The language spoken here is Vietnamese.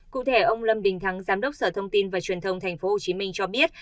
cụ thể ông lâm đình thắng giám đốc sở thông tin và truyền thông tp hcm cho biết